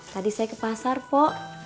tadi saya ke pasar po